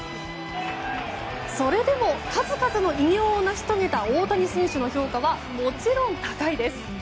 それでも、数々の偉業を成し遂げた大谷選手の評価はもちろん高いです。